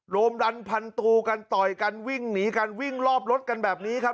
รมดันพันตูกันต่อยกันวิ่งหนีกันวิ่งรอบรถกันแบบนี้ครับ